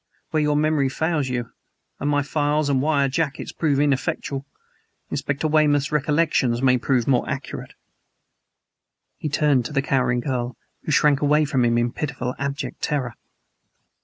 Where your memory fails you, and my files and wire jackets prove ineffectual, Inspector Weymouth's recollections may prove more accurate." He turned to the cowering girl who shrank away from him in pitiful, abject terror.